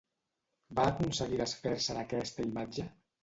Va aconseguir desfer-se d'aquesta imatge?